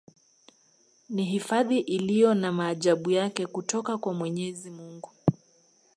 Ni hifadhi iliyo na maajabu yake kutoka kwa mwenyezi Mungu